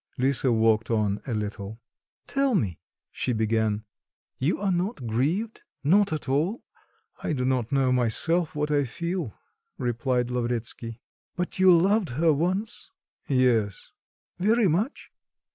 Lisa walked on a little. "Tell me," she began: "you are not grieved? not at all?" "I do not know myself what I feel," replied Lavretsky. "But you loved her once?" "Yes." "Very much?"